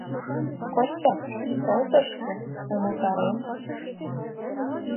— Костя, тол тышке, умылтарем...